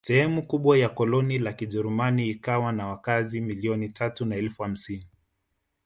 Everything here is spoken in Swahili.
Sehemu kubwa ya koloni la Kijerumani ikiwa na wakazi milioni tatu na elfu hamsini